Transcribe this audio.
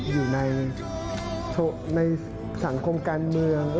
อยู่ในสังคมการเมือง